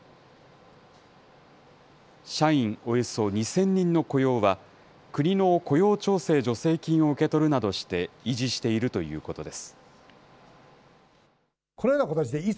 社員およそ２０００人の雇用は、国の雇用調整助成金を受け取るなどして維持しているということです。